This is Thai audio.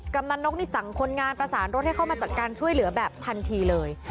กำลังนกนี่สั่งคนงานประสานรถให้เข้ามาจัดการช่วยเหลือแบบทันทีเลย